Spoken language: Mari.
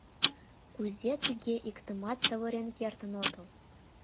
Кузе тыге иктымат савырен кертын отыл?